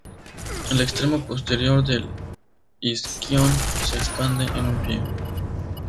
El extremo posterior del isquion se expande en un "pie".